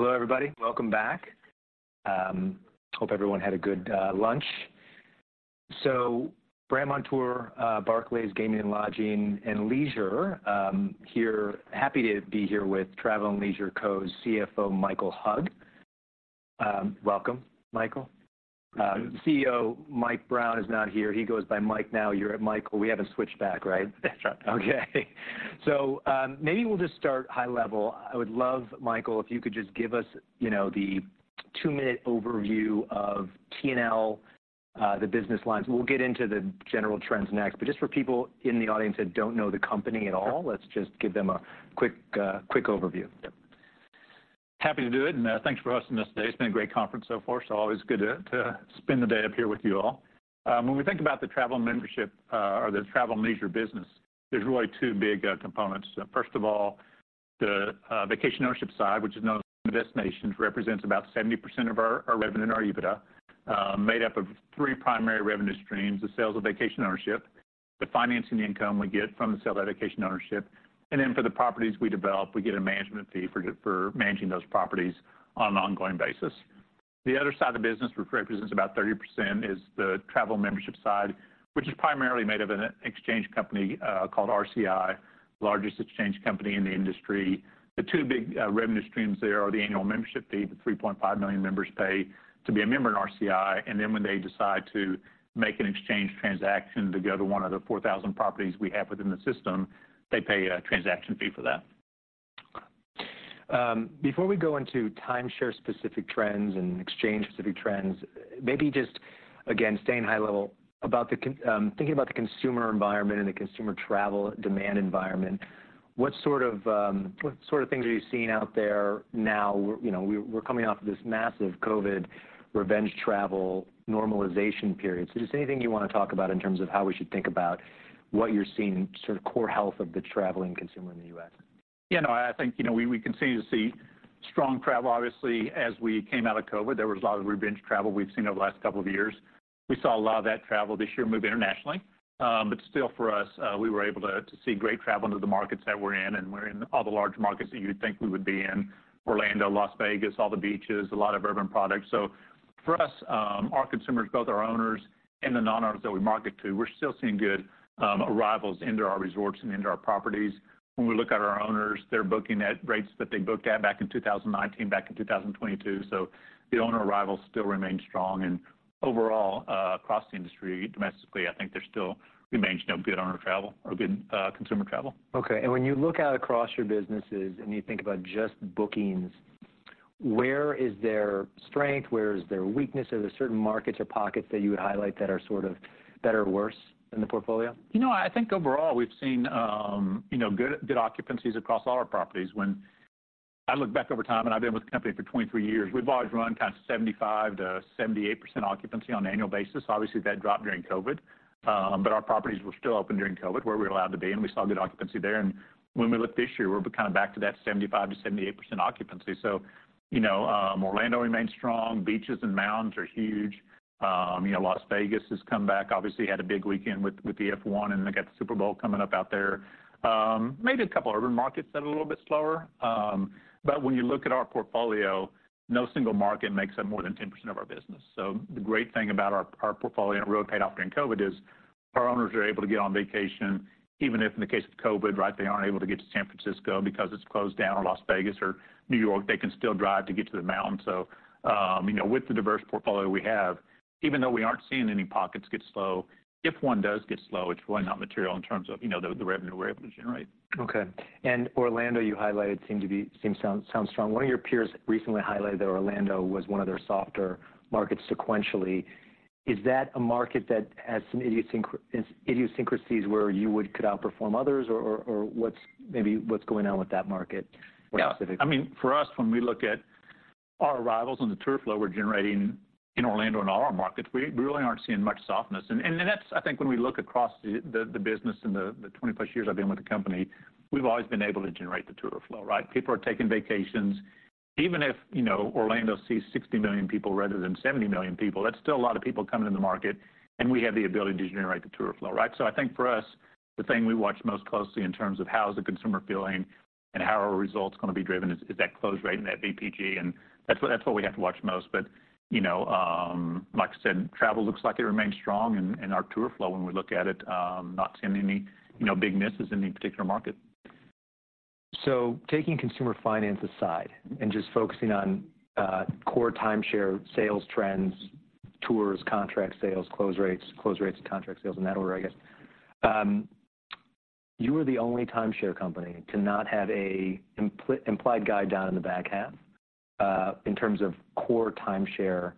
Hello, everybody. Welcome back. Hope everyone had a good lunch. So Brandt Montour, Barclays, Gaming and Lodging and Leisure. Happy to be here with Travel + Leisure Co.'s CFO, Michael Hug. Welcome, Michael. Thank you. CEO, Mike Brown, is not here. He goes by Mike. Now, you're at Michael. We haven't switched back, right? That's right. Okay. So, maybe we'll just start high level. I would love, Michael, if you could just give us, you know, the two-minute overview of TNL, the business lines. We'll get into the general trends next, but just for people in the audience that don't know the company at all. Sure... let's just give them a quick, quick overview. Yep. Happy to do it, and thanks for hosting us today. It's been a great conference so far, so always good to spend the day up here with you all. When we think about the travel membership or the travel and leisure business, there's really two big components. First of all, the vacation ownership side, which is known as Vacation Ownership, represents about 70% of our revenue and our EBITDA, made up of three primary revenue streams: the sales of vacation ownership, the financing income we get from the sale of that vacation ownership, and then for the properties we develop, we get a management fee for managing those properties on an ongoing basis. The other side of the business, which represents about 30%, is the travel membership side, which is primarily made of an exchange company called RCI, the largest exchange company in the industry. The two big revenue streams there are the annual membership fee, the 3.5 million members pay to be a member in RCI, and then when they decide to make an exchange transaction to go to one of the 4,000 properties we have within the system, they pay a transaction fee for that. Before we go into timeshare-specific trends and exchange-specific trends, maybe just, again, staying high level, about, thinking about the consumer environment and the consumer travel demand environment, what sort of, what sort of things are you seeing out there now? We're, you know, coming off of this massive COVID, revenge travel, normalization period. So just anything you want to talk about in terms of how we should think about what you're seeing, sort of, core health of the traveling consumer in the U.S.? You know, I think, you know, we continue to see strong travel. Obviously, as we came out of COVID, there was a lot of revenge travel we've seen over the last couple of years. We saw a lot of that travel this year move internationally. But still, for us, we were able to see great travel into the markets that we're in, and we're in all the large markets that you would think we would be in: Orlando, Las Vegas, all the beaches, a lot of urban products. So for us, our consumers, both our owners and the non-owners that we market to, we're still seeing good arrivals into our resorts and into our properties. When we look at our owners, they're booking at rates that they booked at back in 2019, back in 2022, so the owner arrivals still remain strong. Overall, across the industry, domestically, I think there still remains, you know, good owner travel or good, consumer travel. Okay. When you look out across your businesses and you think about just bookings, where is there strength, where is there weakness? Are there certain markets or pockets that you would highlight that are sort of better or worse in the portfolio? You know, I think overall, we've seen, you know, good, good occupancies across all our properties. When I look back over time, and I've been with the company for 23 years, we've always run kind of 75%-78% occupancy on an annual basis. Obviously, that dropped during COVID, but our properties were still open during COVID, where we were allowed to be, and we saw good occupancy there. And when we look this year, we're kind of back to that 75%-78% occupancy. So, you know, Orlando remains strong. Beaches and mountains are huge. You know, Las Vegas has come back. Obviously, had a big weekend with, with the F1, and they got the Super Bowl coming up out there. Maybe a couple of urban markets that are a little bit slower. But when you look at our portfolio, no single market makes up more than 10% of our business. So the great thing about our, our portfolio, and it really paid off during COVID, is our owners are able to get on vacation, even if, in the case of COVID, right, they aren't able to get to San Francisco because it's closed down, or Las Vegas or New York, they can still drive to get to the mountains. So, you know, with the diverse portfolio we have, even though we aren't seeing any pockets get slow, if one does get slow, it's really not material in terms of, you know, the, the revenue we're able to generate. Okay. And Orlando, you highlighted, seemed to be—seems to sound strong. One of your peers recently highlighted that Orlando was one of their softer markets sequentially. Is that a market that has some idiosyncrasies where you could outperform others, or what's... Maybe what's going on with that market more specifically? Yeah. I mean, for us, when we look at our arrivals and the tour flow we're generating in Orlando and all our markets, we really aren't seeing much softness. And that's. I think when we look across the business in the 20+ years I've been with the company, we've always been able to generate the tour flow, right? People are taking vacations. Even if, you know, Orlando sees 60 million people rather than 70 million people, that's still a lot of people coming in the market, and we have the ability to generate the tour flow, right? So I think for us, the thing we watch most closely in terms of how is the consumer feeling and how are our results gonna be driven, is that close rate and that VPG, and that's what we have to watch most. You know, like I said, travel looks like it remains strong, and our Tour Flow, when we look at it, not seeing any, you know, big misses in any particular market. So taking consumer finance aside and just focusing on core timeshare sales trends, tours, contract sales, close rates, close rates, and contract sales, in that order, I guess. You are the only timeshare company to not have an implied guide down in the back half, in terms of core timeshare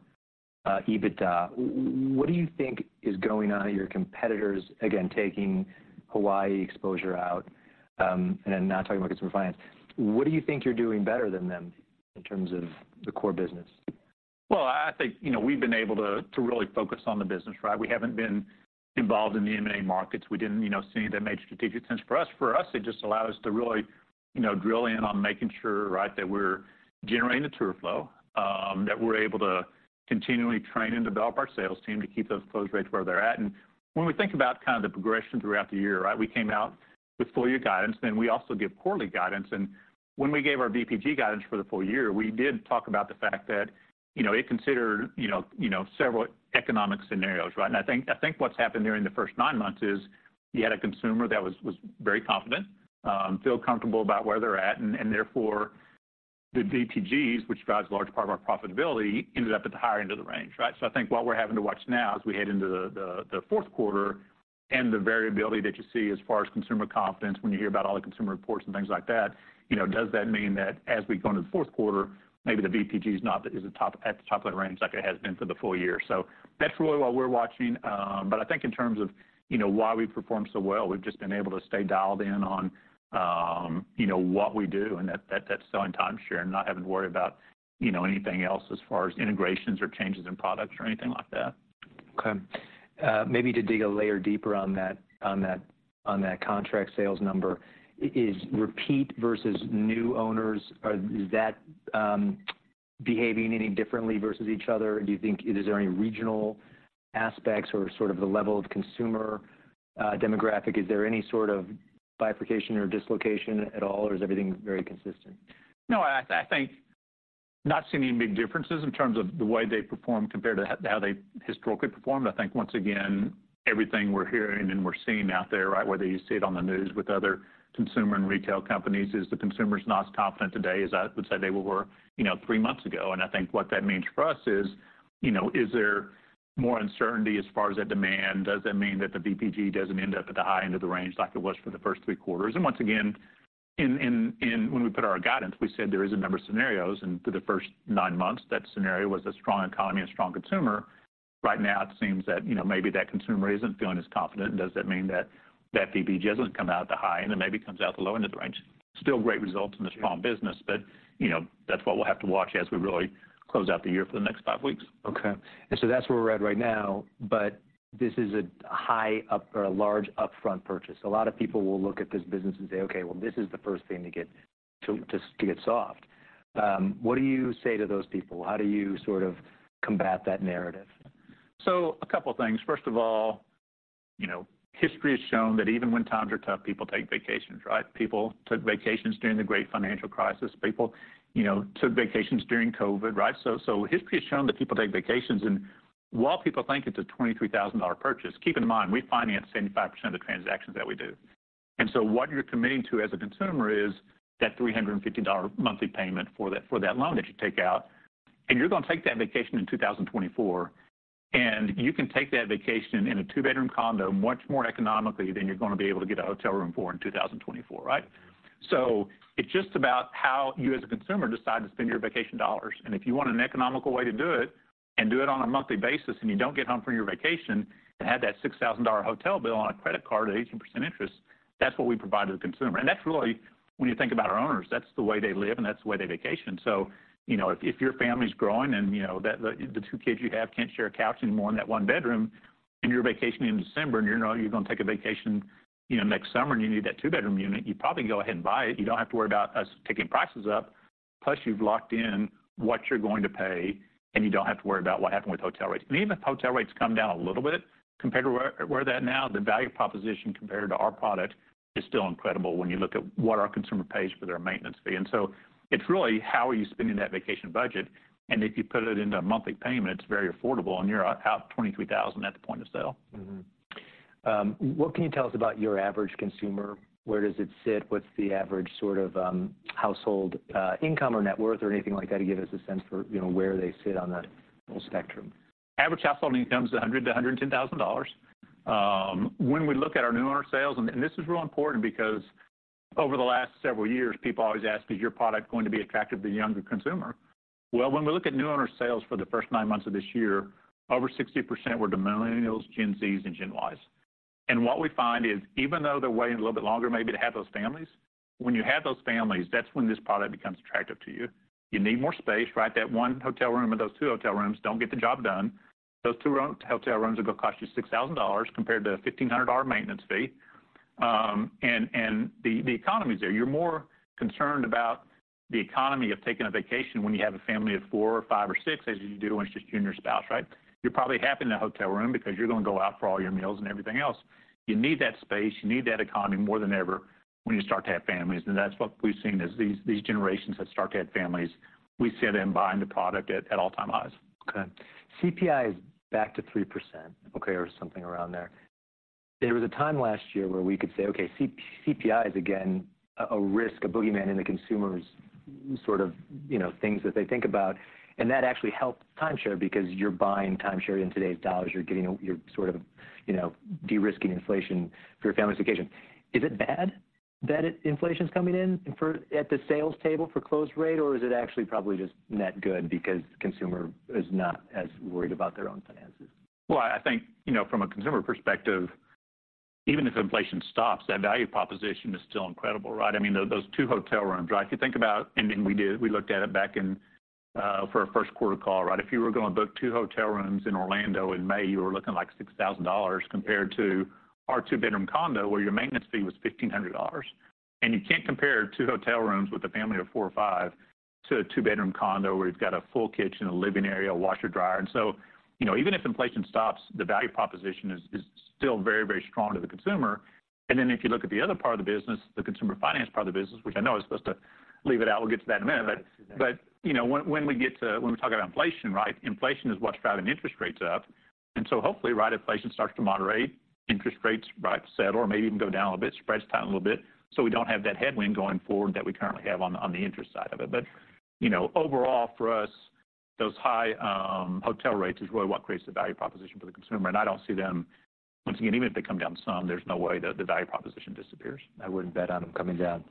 EBITDA. What do you think is going on in your competitors? Again, taking Hawaii exposure out, and I'm not talking about consumer finance. What do you think you're doing better than them in terms of the core business? Well, I think, you know, we've been able to to really focus on the business, right? We haven't been involved in the M&A markets. We didn't, you know, see that made strategic sense. For us, it just allowed us to really, you know, drill in on making sure, right, that we're generating the tour flow that we're able to continually train and develop our sales team to keep those close rates where they're at. And when we think about kind of the progression throughout the year, right? We came out with full year guidance, then we also give quarterly guidance. And when we gave our VPG guidance for the full year, we did talk about the fact that, you know, it considered, you know, you know, several economic scenarios, right? I think, I think what's happened there in the first nine months is you had a consumer that was very confident, feel comfortable about where they're at, and therefore, the VPGs, which drives a large part of our profitability, ended up at the higher end of the range, right? So I think what we're having to watch now as we head into the fourth quarter and the variability that you see as far as consumer confidence, when you hear about all the consumer reports and things like that, you know, does that mean that as we go into the fourth quarter, maybe the VPG is not at the top of the range like it has been for the full year? So that's really what we're watching. But I think in terms of, you know, why we've performed so well, we've just been able to stay dialed in on, you know, what we do, and that's selling timeshare and not having to worry about, you know, anything else as far as integrations or changes in products or anything like that. Okay. Maybe to dig a layer deeper on that contract sales number, is repeat versus new owners behaving any differently versus each other? Do you think, is there any regional aspects or sort of the level of consumer demographic? Is there any sort of bifurcation or dislocation at all, or is everything very consistent? No, I think not seeing any big differences in terms of the way they perform compared to how they historically performed. I think, once again, everything we're hearing and we're seeing out there, right, whether you see it on the news with other consumer and retail companies, is the consumer's not as confident today as I would say they were, you know, three months ago. And I think what that means for us is, you know, is there more uncertainty as far as that demand? Does that mean that the VPG doesn't end up at the high end of the range like it was for the first three quarters? And once again, when we put our guidance, we said there is a number of scenarios, and for the first nine months, that scenario was a strong economy, a strong consumer. Right now, it seems that, you know, maybe that consumer isn't feeling as confident. Does that mean that that VPG doesn't come out at the high end, and maybe comes out the low end of the range? Still great results in the strong business, but, you know, that's what we'll have to watch as we really close out the year for the next five weeks. Okay. And so that's where we're at right now, but this is a high up or a large upfront purchase. A lot of people will look at this business and say, "Okay, well, this is the first thing to get to, just to get soft." What do you say to those people? How do you sort of combat that narrative? So a couple of things. First of all, you know, history has shown that even when times are tough, people take vacations, right? People took vacations during the great financial crisis. People, you know, took vacations during COVID, right? So, so history has shown that people take vacations. And while people think it's a $23,000 purchase, keep in mind, we finance 75% of the transactions that we do. And so what you're committing to as a consumer is that $350 monthly payment for that, for that loan that you take out, and you're going to take that vacation in 2024. And you can take that vacation in a two-bedroom condo much more economically than you're going to be able to get a hotel room for in 2024, right? Mm-hmm. So it's just about how you, as a consumer, decide to spend your vacation dollars. And if you want an economical way to do it and do it on a monthly basis, and you don't get home from your vacation and have that $6,000 hotel bill on a credit card at 18% interest, that's what we provide to the consumer. And that's really when you think about our owners, that's the way they live, and that's the way they vacation. So, you know, if your family's growing and, you know, that the two kids you have can't share a couch anymore in that one-bedroom, and you're vacationing in December, and you know you're going to take a vacation, you know, next summer, and you need that two-bedroom unit, you probably go ahead and buy it. You don't have to worry about us ticking prices up. Plus, you've locked in what you're going to pay, and you don't have to worry about what happened with hotel rates. Even if hotel rates come down a little bit compared to where, where that now, the value proposition compared to our product is still incredible when you look at what our consumer pays for their maintenance fee. So it's really how are you spending that vacation budget, and if you put it into a monthly payment, it's very affordable, and you're out $23,000 at the point of sale. Mm-hmm. What can you tell us about your average consumer? Where does it sit? What's the average sort of household income or net worth or anything like that, to give us a sense for, you know, where they sit on that whole spectrum? Average household income is $100,000-$110,000. When we look at our new owner sales, and this is really important because over the last several years, people always ask: Is your product going to be attractive to the younger consumer? Well, when we look at new owner sales for the first nine months of this year, over 60% were the millennials, Gen Zs, and Gen Ys. And what we find is, even though they're waiting a little bit longer maybe to have those families, when you have those families, that's when this product becomes attractive to you. You need more space, right? That one hotel room or those two hotel rooms don't get the job done. Those two hotel rooms are going to cost you $6,000 compared to a $1,500 maintenance fee. And the economy is there. You're more concerned about the economy of taking a vacation when you have a family of four or five or six, as you do when it's just you and your spouse, right? You're probably half in that hotel room because you're going to go out for all your meals and everything else. You need that space, you need that economy more than ever when you start to have families. And that's what we've seen as these generations have started to have families. We see them buying the product at all-time highs. Okay. CPI is back to 3%, okay, or something around there. There was a time last year where we could say, "Okay, CPI is again a, a risk, a boogeyman in the consumer's, sort of, you know, things that they think about." And that actually helped timeshare because you're buying timeshare in today's dollars. You're getting—you're sort of, you know, de-risking inflation for your family's vacation. Is it bad that inflation is coming in for—at the sales table for close rate, or is it actually probably just net good because the consumer is not as worried about their own finances? Well, I think, you know, from a consumer perspective, even if inflation stops, that value proposition is still incredible, right? I mean, those two hotel rooms, right? If you think about. And then we did, we looked at it back in, for our first quarter call, right? If you were going to book two hotel rooms in Orlando in May, you were looking like $6,000 compared to our two-bedroom condo, where your maintenance fee was $1,500. And you can't compare two hotel rooms with a family of four or five to a two-bedroom condo, where you've got a full kitchen, a living area, a washer, dryer. And so, you know, even if inflation stops, the value proposition is, is still very, very strong to the consumer. And then if you look at the other part of the business, the consumer finance part of the business, which I know I was supposed to leave it out, we'll get to that in a minute. But, you know, when we talk about inflation, right, inflation is what's driving interest rates up. And so hopefully, right, inflation starts to moderate, interest rates, right, settle or maybe even go down a bit, spreads tight a little bit, so we don't have that headwind going forward that we currently have on the, on the interest side of it. But, you know, overall, for us, those high hotel rates is really what creates the value proposition for the consumer. And I don't see them, once again, even if they come down some, there's no way that the value proposition disappears. I wouldn't bet on them coming down.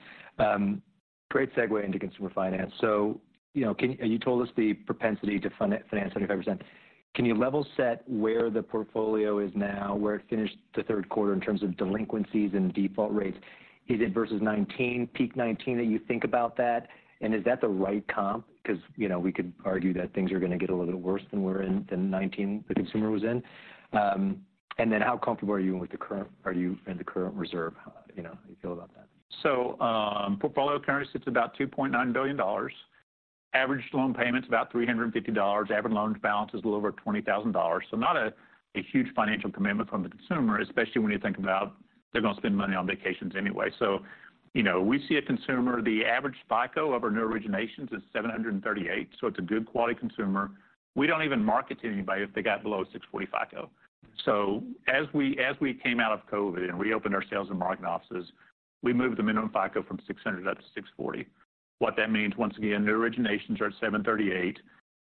Great segue into consumer finance. So, you know, can you, you told us the propensity to finance 75%. Can you level set where the portfolio is now, where it finished the third quarter in terms of delinquencies and default rates? Is it versus 2019, peak 2019, that you think about that? And is that the right comp? Because, you know, we could argue that things are going to get a little bit worse than we're in, than 2019, the consumer was in. And then how comfortable are you with the current reserve? You know, how do you feel about that? So, portfolio currently sits about $2.9 billion. Average loan payment is about $350. Average loan balance is a little over $20,000. So not a huge financial commitment from the consumer, especially when you think about they're going to spend money on vacations anyway. So you know, we see a consumer, the average FICO of our new originations is 738, so it's a good quality consumer. We don't even market to anybody if they got below 640 FICO. So as we came out of COVID and reopened our sales and marketing offices, we moved the minimum FICO from 600 up to 640. What that means, once again, new originations are at 738.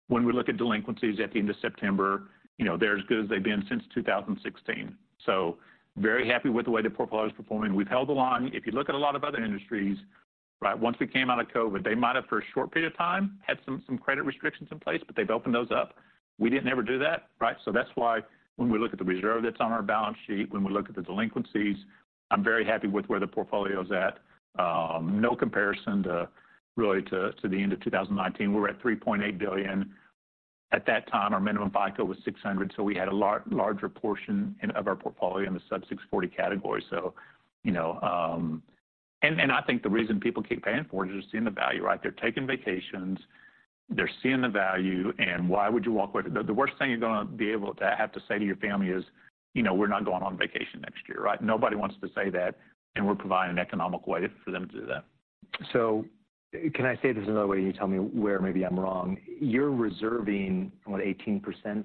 When we look at delinquencies at the end of September, you know, they're as good as they've been since 2016. So very happy with the way the portfolio is performing. We've held the line. If you look at a lot of other industries, right, once we came out of COVID, they might have, for a short period of time, had some, some credit restrictions in place, but they've opened those up. We didn't ever do that, right? So that's why when we look at the reserve that's on our balance sheet, when we look at the delinquencies, I'm very happy with where the portfolio is at. No comparison, really, to the end of 2019. We were at $3.8 billion. At that time, our minimum FICO was 600, so we had a larger portion of our portfolio in the sub-640 category. So, you know, and I think the reason people keep paying for it is they're seeing the value, right? They're taking vacations, they're seeing the value, and why would you walk away? The worst thing you're going to be able to have to say to your family is, "You know, we're not going on vacation next year," right? Nobody wants to say that, and we're providing an economical way for them to do that. Can I say this another way, and you tell me where maybe I'm wrong? You're reserving, what, 18%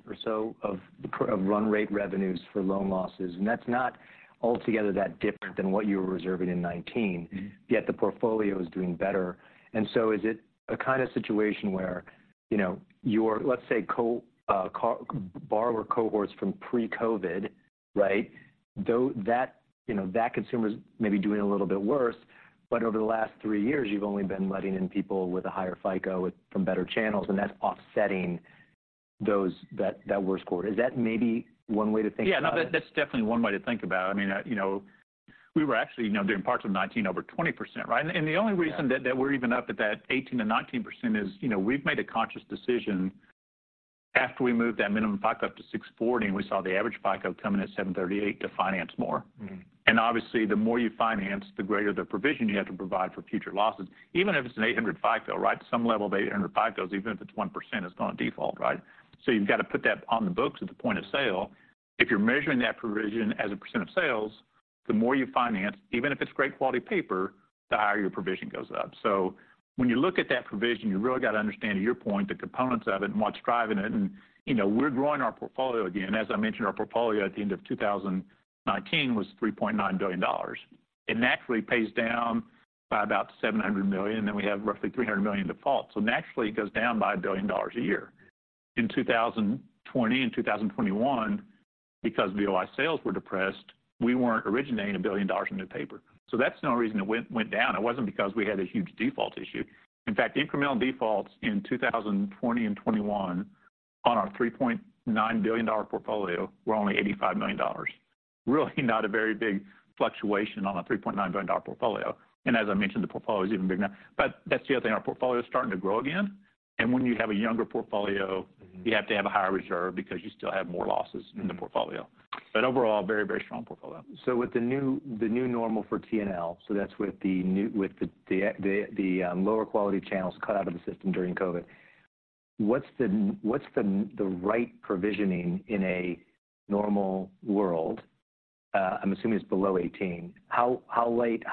or so of the run rate revenues for loan losses, and that's not altogether that different than what you were reserving in 2019. Mm-hmm. Yet the portfolio is doing better. So is it a kind of situation where, you know, your, let's say, co-borrower cohorts from pre-COVID, right? Though that, you know, that consumer is maybe doing a little bit worse, but over the last three years, you've only been letting in people with a higher FICO from better channels, and that's offsetting those that worse score. Is that maybe one way to think about it? Yeah, no, that's definitely one way to think about it. I mean, you know, we were actually, you know, doing parts of 2019, over 20%, right? Yeah. The only reason that we're even up at that 18%-19% is, you know, we've made a conscious decision after we moved that minimum FICO up to 640, and we saw the average FICO coming at 738 to finance more. Mm-hmm. And obviously, the more you finance, the greater the provision you have to provide for future losses, even if it's an 800 FICO, right? To some level, the 800 FICOs, even if it's 1%, it's going to default, right? So you've got to put that on the books at the point of sale. If you're measuring that provision as a percent of sales, the more you finance, even if it's great quality paper, the higher your provision goes up. So when you look at that provision, you really got to understand, to your point, the components of it and what's driving it. And, you know, we're growing our portfolio again. As I mentioned, our portfolio at the end of 2019 was $3.9 billion. It naturally pays down by about $700 million, and then we have roughly $300 million defaults. So naturally, it goes down by $1 billion a year. In 2020 and 2021, because VOI sales were depressed, we weren't originating $1 billion in new paper. So that's the only reason it went, went down. It wasn't because we had a huge default issue. In fact, incremental defaults in 2020 and 2021 on our $3.9 billion portfolio were only $85 million. Really not a very big fluctuation on a $3.9 billion portfolio. And as I mentioned, the portfolio is even bigger now. But that's the other thing, our portfolio is starting to grow again, and when you have a younger portfolio- Mm-hmm... you have to have a higher reserve because you still have more losses- Mm-hmm... in the portfolio. But overall, very, very strong portfolio. So with the new normal for TNL, so that's with the new—with the lower quality channels cut out of the system during COVID, what's the right provisioning in a normal world? I'm assuming it's below 18. How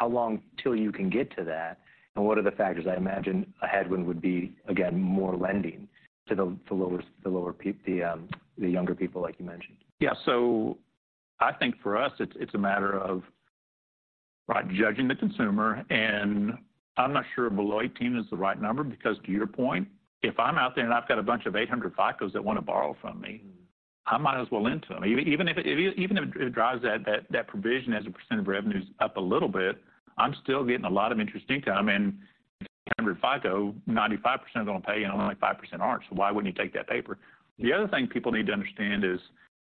long till you can get to that, and what are the factors? I imagine a headwind would be, again, more lending to the lower, the younger people, like you mentioned. Yeah. So I think for us, it's a matter of, right, judging the consumer. And I'm not sure below 18 is the right number, because to your point, if I'm out there and I've got a bunch of 800 FICOs that want to borrow from me- Mm... I might as well lend to them. Even if it drives that provision as a percent of revenues up a little bit, I'm still getting a lot of interesting income. And 800 FICO, 95% are going to pay, and only 5% aren't. So why wouldn't you take that paper? The other thing people need to understand is,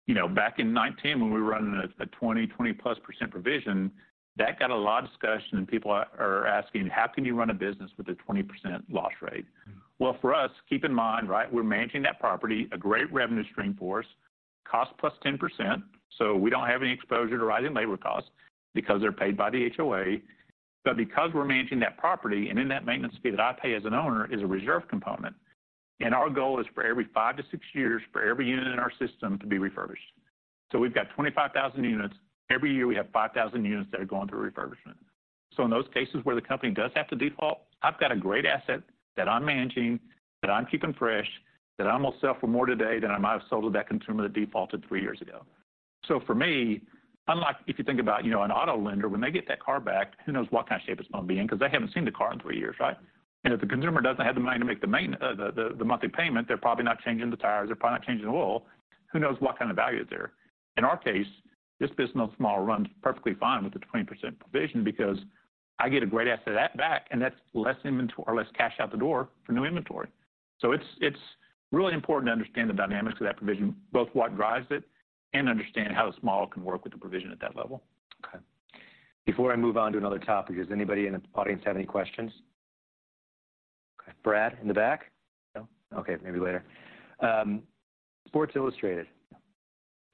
you know, back in 2019, when we were running a 20, 20-plus percent provision, that got a lot of discussion, and people are asking: How can you run a business with a 20% loss rate? Mm. Well, for us, keep in mind, right, we're managing that property, a great revenue stream for us. Cost plus 10%, so we don't have any exposure to rising labor costs because they're paid by the HOA. But because we're managing that property, and in that maintenance fee that I pay as an owner is a reserve component, and our goal is for every 5-6 years for every unit in our system to be refurbished. So we've got 25,000 units. Every year, we have 5,000 units that are going through refurbishment. So in those cases where the company does have to default, I've got a great asset that I'm managing, that I'm keeping fresh, that I'm going to sell for more today than I might have sold to that consumer that defaulted three years ago. So for me, unlike if you think about, you know, an auto lender, when they get that car back, who knows what kind of shape it's going to be in because they haven't seen the car in three years, right? And if the consumer doesn't have the money to make the main-- the monthly payment, they're probably not changing the tires. They're probably not changing the oil. Who knows what kind of value is there? In our case, this business model runs perfectly fine with the 20% provision because I get a great asset of that back, and that's less inventory or less cash out the door for new inventory. So it's really important to understand the dynamics of that provision, both what drives it and understand how the model can work with the provision at that level. Okay. Before I move on to another topic, does anybody in the audience have any questions? Okay, Brad, in the back? No. Okay, maybe later. Sports Illustrated,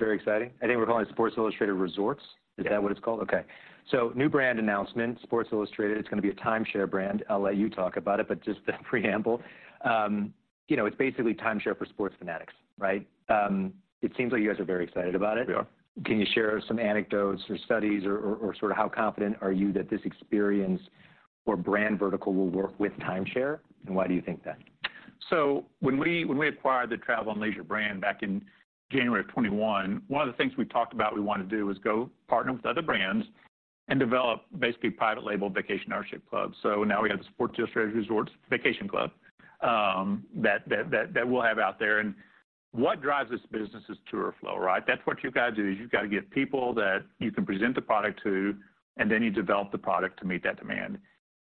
very exciting. I think we're calling it Sports Illustrated Resorts. Yeah. Is that what it's called? Okay. So new brand announcement, Sports Illustrated. It's going to be a timeshare brand. I'll let you talk about it, but just the preamble. You know, it's basically timeshare for sports fanatics, right? It seems like you guys are very excited about it. We are. Can you share some anecdotes or studies or sort of how confident are you that this experience or brand vertical will work with timeshare, and why do you think that? So when we acquired the Travel + Leisure brand back in January of 2021, one of the things we talked about we wanted to do was go partner with other brands and develop basically private label vacation ownership clubs. So now we have the Sports Illustrated Resorts Vacation Club that we'll have out there. And what drives this business is tour flow, right? That's what you've got to do, is you've got to get people that you can present the product to, and then you develop the product to meet that demand.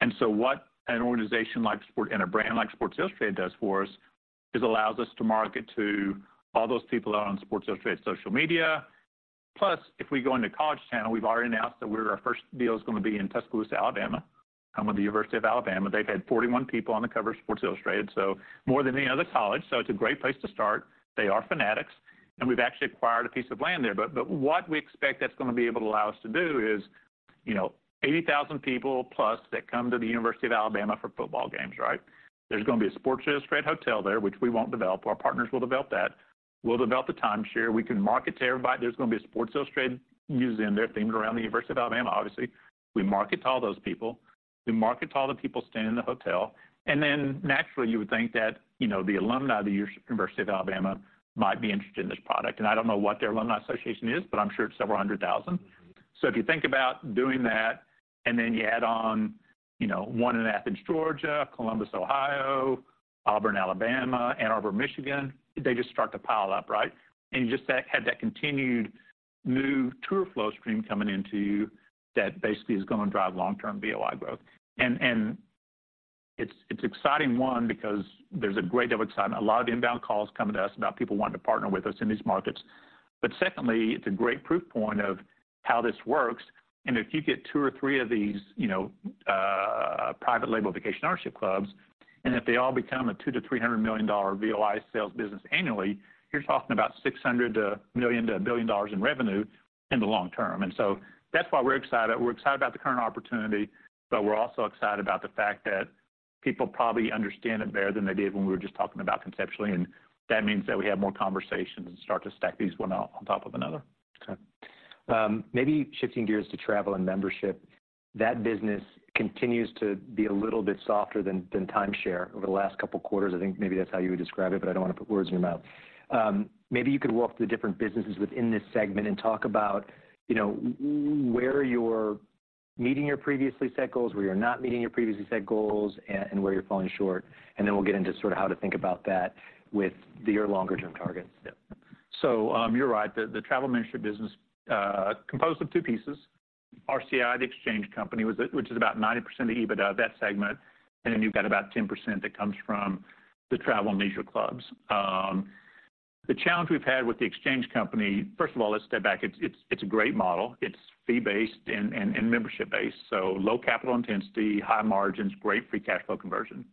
And so what an organization like Sports and a brand like Sports Illustrated does for us is allows us to market to all those people that are on Sports Illustrated social media. Plus, if we go into college town, we've already announced our first deal is going to be in Tuscaloosa, Alabama, with the University of Alabama. They've had 41 people on the cover of Sports Illustrated, so more than any other college, so it's a great place to start. They are fanatics, and we've actually acquired a piece of land there. But what we expect that's going to be able to allow us to do is, you know, 80,000 people plus that come to the University of Alabama for football games, right? There's going to be a Sports Illustrated hotel there, which we won't develop. Our partners will develop that. We'll develop the timeshare. We can market to everybody. There's going to be a Sports Illustrated museum there themed around the University of Alabama, obviously. We market to all those people. We market to all the people staying in the hotel, and then naturally, you would think that, you know, the alumni of the University of Alabama might be interested in this product. And I don't know what their alumni association is, but I'm sure it's several hundred thousand. Mm-hmm. So if you think about doing that, and then you add on, you know, one in Athens, Georgia, Columbus, Ohio, Auburn, Alabama, Ann Arbor, Michigan, they just start to pile up, right? And you just have that continued new tour flow stream coming into you that basically is going to drive long-term VOI growth. And it's exciting, one, because there's a great deal of excitement, a lot of inbound calls coming to us about people wanting to partner with us in these markets. But secondly, it's a great proof point of how this works. And if you get 2 or 3 of these, you know, private label vacation ownership clubs, and if they all become a $200 million-$300 million VOI sales business annually, you're talking about $600 million to $1 billion in revenue in the long term. So that's why we're excited. We're excited about the current opportunity, but we're also excited about the fact that people probably understand it better than they did when we were just talking about conceptually, and that means that we have more conversations and start to stack these one on top of another. Okay. Maybe shifting gears to Travel and Membership, that business continues to be a little bit softer than timeshare over the last couple of quarters. I think maybe that's how you would describe it, but I don't want to put words in your mouth. Maybe you could walk through the different businesses within this segment and talk about, you know, where you're meeting your previously set goals, where you're not meeting your previously set goals, and where you're falling short, and then we'll get into sort of how to think about that with your longer-term targets. Yeah. So, you're right. The travel membership business composed of two pieces, RCI, the exchange company, which is about 90% of the EBITDA of that segment, and then you've got about 10% that comes from the travel and leisure clubs. The challenge we've had with the exchange company... First of all, let's step back. It's a great model. It's fee-based and membership-based, so low capital intensity, high margins, great free cash flow conversion.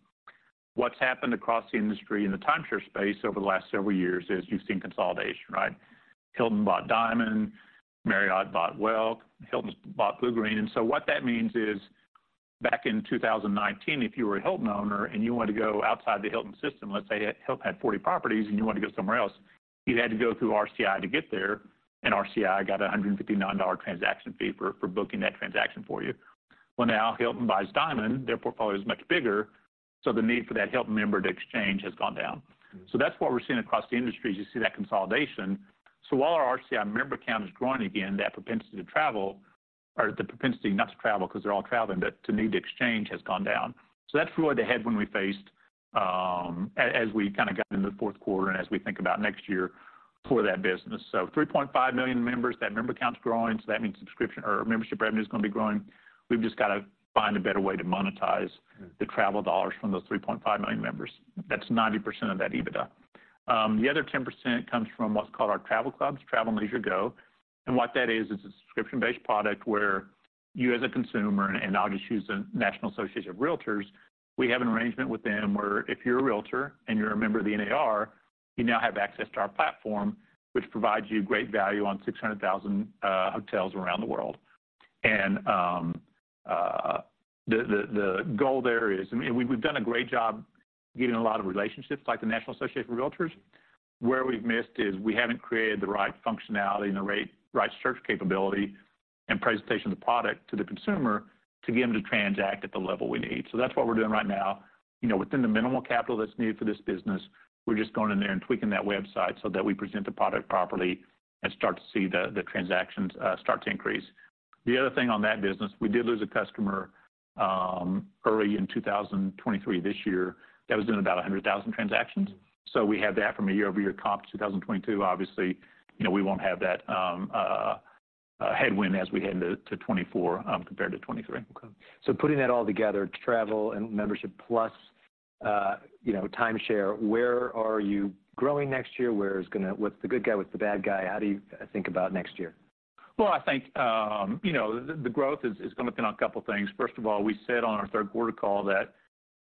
What's happened across the industry in the timeshare space over the last several years is you've seen consolidation, right? Hilton bought Diamond, Hilton bought Bluegreen. And so what that means is, back in 2019, if you were a Hilton owner and you wanted to go outside the Hilton system, let's say Hilton had 40 properties, and you wanted to go somewhere else, you'd had to go through RCI to get there, and RCI got a $159 transaction fee for booking that transaction for you. Well, now Hilton buys Diamond, their portfolio is much bigger, so the need for that Hilton member to exchange has gone down. Mm. So that's what we're seeing across the industry, is you see that consolidation. So while our RCI member count is growing again, that propensity to travel, or the propensity not to travel because they're all traveling, but to need to exchange, has gone down. So that's really the headwind we faced, as we kind of got into the fourth quarter and as we think about next year for that business. So 3.5 million members, that member count's growing, so that means subscription or membership revenue is going to be growing. We've just got to find a better way to monetize- Mm. the travel dollars from those 3.5 million members. That's 90% of that EBITDA. The other 10% comes from what's called our travel clubs, Travel + Leisure Go. And what that is, it's a subscription-based product where you as a consumer, and I'll just use the National Association of Realtors, we have an arrangement with them where if you're a realtor and you're a member of the NAR, you now have access to our platform, which provides you great value on 600,000 hotels around the world. The goal there is, I mean, we've done a great job getting a lot of relationships like the National Association of Realtors. Where we've missed is we haven't created the right functionality and the right search capability and presentation of the product to the consumer to get them to transact at the level we need. So that's what we're doing right now. You know, within the minimal capital that's needed for this business, we're just going in there and tweaking that website so that we present the product properly and start to see the transactions start to increase. The other thing on that business, we did lose a customer early in 2023, this year, that was doing about 100,000 transactions. So we had that from a year-over-year comp, 2022. Obviously, you know, we won't have that headwind as we head into 2024 compared to 2023. Okay. So putting that all together, Travel and Membership plus, you know, timeshare, where are you growing next year? Where is gonna—what's the good guy, what's the bad guy? How do you think about next year? Well, I think, you know, the growth is going to pin on a couple of things. First of all, we said on our third quarter call that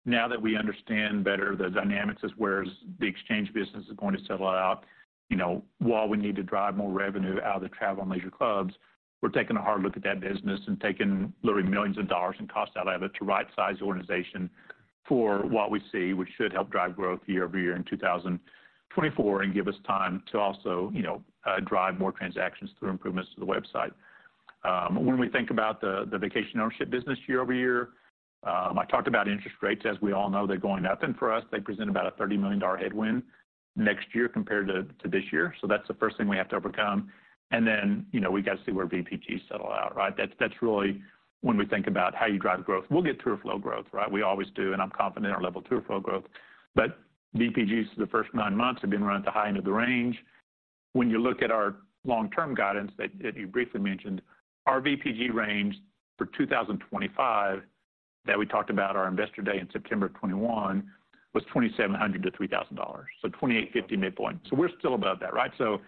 now that we understand better the dynamics as where the exchange business is going to settle out, you know, while we need to drive more revenue out of the Travel and Leisure clubs, we're taking a hard look at that business and taking literally $ millions in costs out of it to rightsize the organization for what we see, which should help drive growth year-over-year in 2024, and give us time to also, you know, drive more transactions through improvements to the website. When we think about the vacation ownership business year-over-year, I talked about interest rates. As we all know, they're going up, and for us, they present about a $30 million headwind next year compared to, to this year. So that's the first thing we have to overcome. And then, you know, we got to see where VPGs settle out, right? That's, that's really when we think about how you drive growth. We'll get through flow growth, right? We always do, and I'm confident in our level two flow growth. But VPGs, for the first nine months, have been run at the high end of the range. When you look at our long-term guidance that, that you briefly mentioned, our VPG range for 2025, that we talked about our Investor Day in September of 2021, was $2,700-$3,000, so 2,850 midpoint. So we're still above that, right? So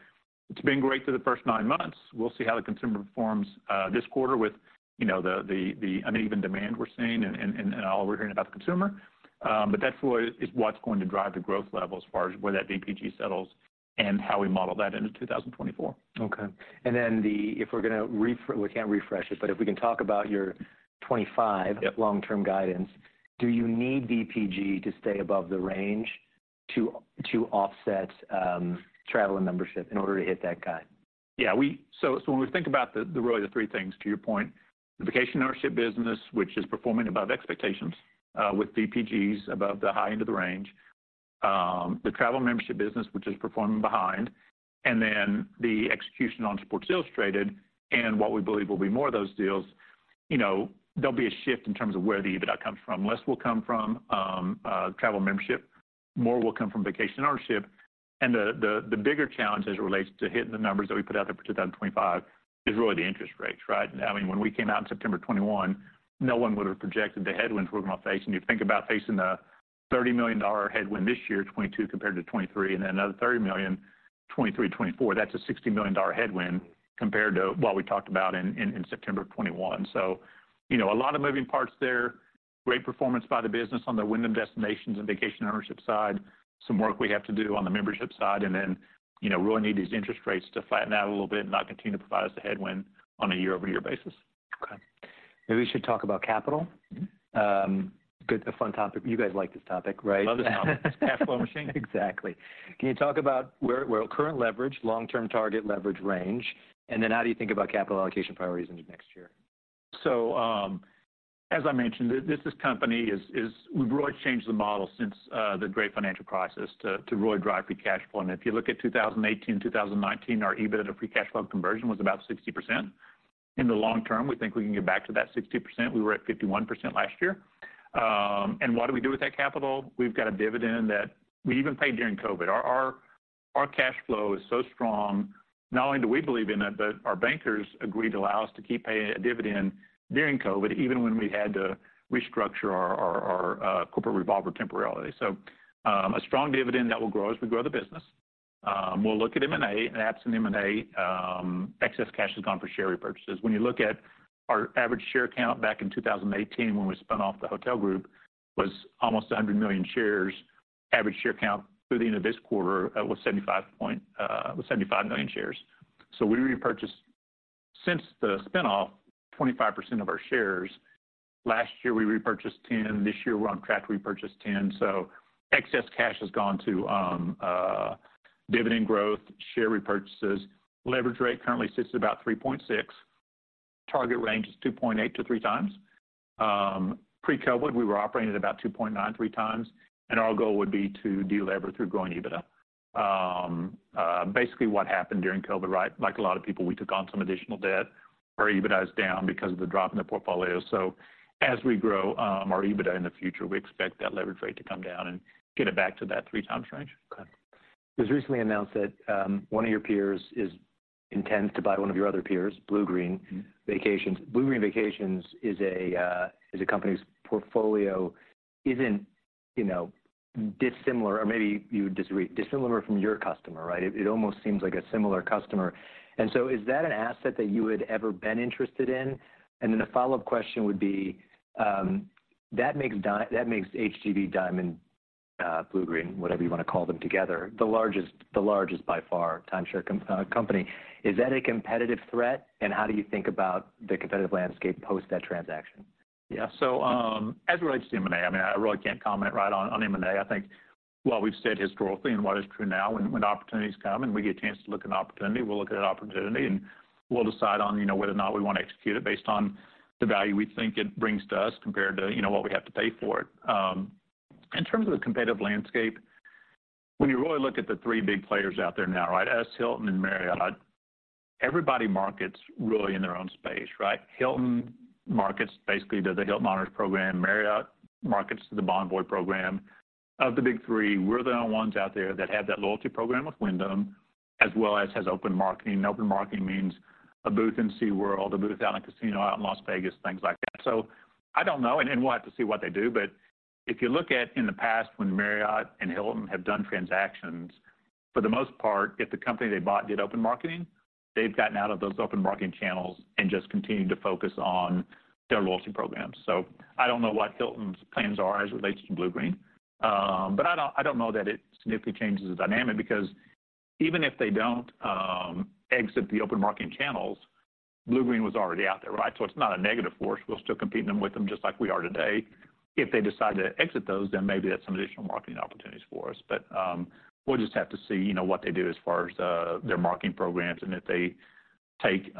it's been great for the first nine months. We'll see how the consumer performs this quarter with, you know, the uneven demand we're seeing and all we're hearing about the consumer. But that's really is what's going to drive the growth level as far as where that VPG settles and how we model that into 2024. Okay. And then, if we're going to refresh it, we can't refresh it, but if we can talk about your 25- Yep... long-term guidance, do you need VPG to stay above the range to, to offset, travel and membership in order to hit that guide? Yeah, so when we think about, really, the three things, to your point, the vacation ownership business, which is performing above expectations, with VPGs above the high end of the range, the travel membership business, which is performing behind, and then the execution on support sales traded and what we believe will be more of those deals, you know, there'll be a shift in terms of where the EBITDA comes from. Less will come from, travel membership, more will come from vacation ownership. And the bigger challenge as it relates to hitting the numbers that we put out there for 2025, is really the interest rates, right? I mean, when we came out in September of 2021, no one would have projected the headwinds we're going to face. You think about facing a $30 million headwind this year, 2022 compared to 2023, and then another $30 million, 2023 to 2024, that's a $60 million headwind compared to what we talked about in September of 2021. You know, a lot of moving parts there. Great performance by the business on the Wyndham Destinations and Vacation Ownership side. Some work we have to do on the membership side, and then, you know, we really need these interest rates to flatten out a little bit and not continue to provide us a headwind on a year-over-year basis. Okay. Maybe we should talk about capital. Mm-hmm. Good, a fun topic. You guys like this topic, right? Love this topic. Cash flow machine. Exactly. Can you talk about where current leverage, long-term target leverage range, and then how do you think about capital allocation priorities into next year? So, as I mentioned, this company is, we've really changed the model since the great financial crisis to really drive free cash flow. And if you look at 2018, 2019, our EBITDA free cash flow conversion was about 60%. In the long term, we think we can get back to that 60%. We were at 51% last year. And what do we do with that capital? We've got a dividend that we even paid during COVID. Our cash flow is so strong, not only do we believe in it, but our bankers agreed to allow us to keep paying a dividend during COVID, even when we had to restructure our corporate revolver temporarily. So, a strong dividend that will grow as we grow the business. We'll look at M&A, and absent M&A, excess cash has gone for share repurchases. When you look at our average share count back in 2018, when we spun off the hotel group, was almost 100 million shares. Average share count through the end of this quarter was 75 million shares. So we repurchased, since the spin-off, 25% of our shares. Last year, we repurchased 10. This year, we're on track to repurchase 10. So excess cash has gone to dividend growth, share repurchases. Leverage rate currently sits at about 3.6. Target range is 2.8-3 times. Pre-COVID, we were operating at about 2.9-3 times, and our goal would be to delever through growing EBITDA. Basically, what happened during COVID, right? Like a lot of people, we took on some additional debt. Our EBITDA is down because of the drop in the portfolio. So as we grow, our EBITDA in the future, we expect that leverage rate to come down and get it back to that 3x range. Okay. It was recently announced that, one of your peers is intent to buy one of your other peers, Bluegreen- Mm-hmm... Vacations. Bluegreen Vacations is a company whose portfolio isn't, you know, dissimilar, or maybe you would disagree, dissimilar from your customer, right? It almost seems like a similar customer. And so is that an asset that you had ever been interested in? And then a follow-up question would be, that makes HGV, Diamond, Bluegreen, whatever you want to call them together, the largest, the largest, by far, timeshare company. Is that a competitive threat, and how do you think about the competitive landscape post that transaction? Yeah. So, as it relates to M&A, I mean, I really can't comment right on M&A. I think what we've said historically and what is true now, when opportunities come and we get a chance to look at an opportunity, we'll look at an opportunity, and we'll decide on, you know, whether or not we want to execute it based on the value we think it brings to us compared to, you know, what we have to pay for it. In terms of the competitive landscape, when you really look at the three big players out there now, right, us, Hilton, and Marriott, everybody markets really in their own space, right? Hilton markets basically does the Hilton Honors program, Marriott markets to the Bonvoy program. Of the big three, we're the only ones out there that have that loyalty program with Wyndham, as well as has open marketing. Open marketing means a booth in SeaWorld, a booth out in Casino, out in Las Vegas, things like that. So I don't know, and then we'll have to see what they do, but if you look at in the past when Marriott and Hilton have done transactions, for the most part, if the company they bought did open marketing, they've gotten out of those open marketing channels and just continued to focus on their loyalty programs. So I don't know what Hilton's plans are as it relates to Bluegreen, but I don't, I don't know that it significantly changes the dynamic because even if they don't, exit the open marketing channels, Bluegreen was already out there, right? So it's not a negative force. We're still competing them with them just like we are today. If they decide to exit those, then maybe that's some additional marketing opportunities for us. But, we'll just have to see, you know, what they do as far as their marketing programs and if they take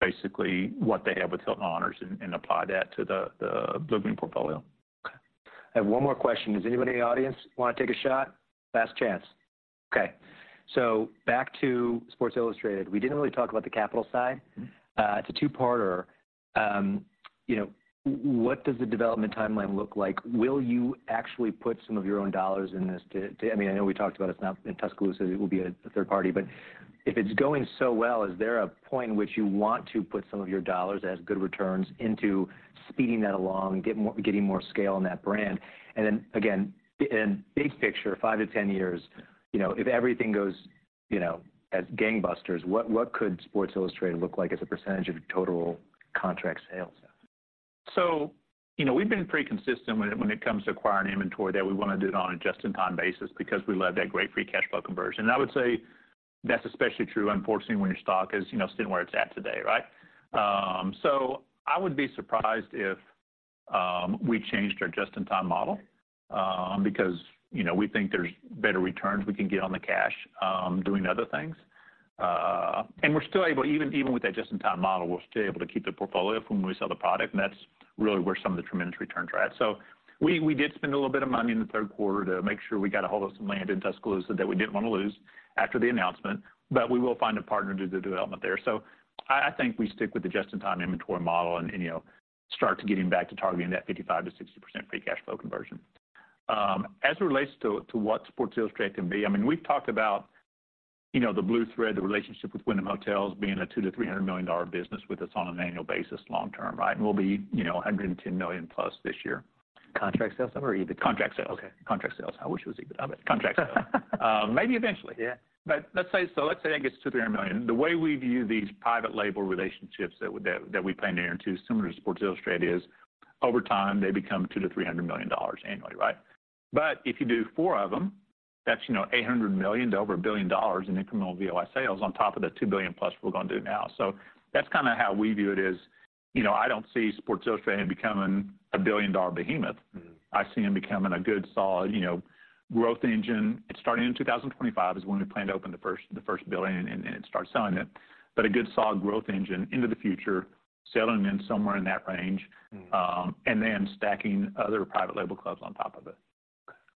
basically what they have with Hilton Honors and apply that to the Bluegreen portfolio. Okay. I have one more question. Does anybody in the audience want to take a shot? Last chance. Okay. So back to Sports Illustrated. We didn't really talk about the capital side. Mm-hmm. It's a two-parter. You know, what does the development timeline look like? Will you actually put some of your own dollars in this to... I mean, I know we talked about it's not in Tuscaloosa, it will be a third party, but if it's going so well, is there a point in which you want to put some of your dollars as good returns into speeding that along, getting more scale on that brand? And then, again, in big picture, five to 10 years, you know, if everything goes, you know, as gangbusters, what could Sports Illustrated look like as a percentage of your total contract sales? So, you know, we've been pretty consistent when it comes to acquiring inventory, that we want to do it on a just-in-time basis because we love that great free cash flow conversion. And I would say that's especially true, unfortunately, when your stock is, you know, sitting where it's at today, right? So I would be surprised if we changed our just-in-time model, because, you know, we think there's better returns we can get on the cash, doing other things. And we're still able to—even with that just-in-time model, we're still able to keep the portfolio from when we sell the product, and that's really where some of the tremendous returns are at. So we did spend a little bit of money in the third quarter to make sure we got a hold of some land in Tuscaloosa that we didn't want to lose after the announcement, but we will find a partner to do the development there. So I think we stick with the just-in-time inventory model and, you know, start to getting back to targeting that 55%-60% free cash flow conversion. As it relates to what Sports Illustrated can be, I mean, we've talked about, you know, the blue thread, the relationship with Wyndham Hotels being a $200 million-$300 million business with us on an annual basis long term, right? And we'll be, you know, a $110 million+ this year. Contract Sales number or EBITDA? Contract sales. Okay. Contract Sales. I wish it was EBITDA. Contract Sales. Maybe eventually. Yeah. Let's say that gets $200 million-$300 million. The way we view these private label relationships that we plan to enter into, similar to Sports Illustrated, is over time, they become $200 million-$300 million annually, right? But if you do four of them, that's, you know, $800 million to over $1 billion in incremental VOI sales on top of the $2 billion plus we're going to do now. So that's kind of how we view it is, you know, I don't see Sports Illustrated becoming a billion-dollar behemoth. Mm. I see them becoming a good, solid, you know, growth engine. It's starting in 2025 is when we plan to open the first $1 billion and start selling it. But a good, solid growth engine into the future, selling them somewhere in that range- Mm. and then stacking other private label clubs on top of it.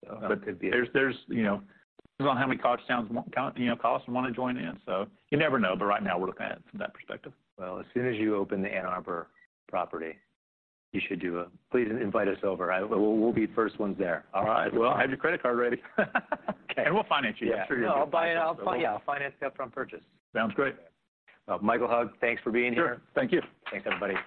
Okay. So- But there's, you know... It depends on how many college towns want to count, you know, cost and want to join in. So you never know, but right now we're looking at it from that perspective. Well, as soon as you open the Ann Arbor property, you should please invite us over. We'll, we'll be the first ones there. All right. Well, have your credit card ready. Okay. We'll finance you. Yeah. I'm sure you'll finance us. I'll buy it. I'll, yeah, I'll finance the upfront purchase. Sounds great. Well, Michael Hug, thanks for being here. Sure. Thank you. Thanks, everybody.